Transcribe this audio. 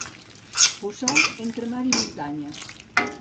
Puçol, entre mar i muntanya.